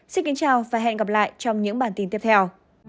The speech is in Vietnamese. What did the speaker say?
xin kính chào và hẹn gặp lại trong những bản tin tiếp theo